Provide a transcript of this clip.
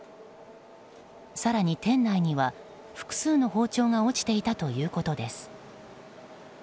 更に店内には複数の包丁が落ちていたということです。